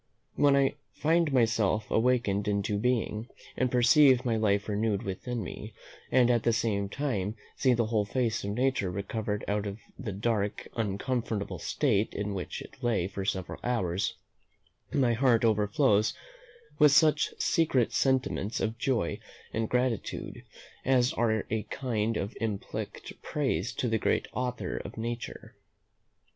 When I find myself awakened into being, and perceive my life renewed within me, and at the same time see the whole face of nature recovered out of the dark uncomfortable state in which it lay for several hours, my heart overflows with such secret sentiments of joy and gratitude, as are a kind of implicit praise to the great Author of Nature.